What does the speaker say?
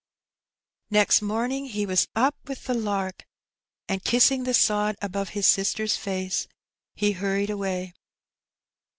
Next morning he was up with the lark, and kissing the sod above his sister's face, he hurried away.